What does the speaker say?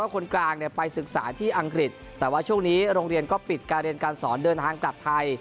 คนกลางไปศึกษาที่อังกฤษแต่ว่าช่วงนี้โรงเรียนก็ปิดการเรียนการสอนเดินทางกลับไทย